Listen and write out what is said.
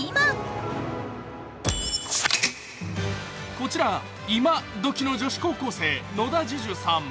こちら、今どきの女子高校生、野田樹潤さん。